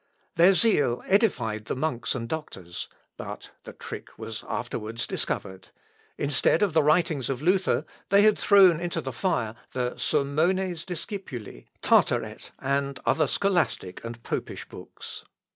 Their zeal edified the monks and doctors; but the trick was afterwards discovered. Instead of the writings of Luther, they had thrown into the fire the Sermones discipuli, Tartaret, and other scholastic and popish books.